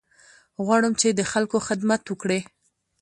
غواړم چې د خلکو خدمت وکړې.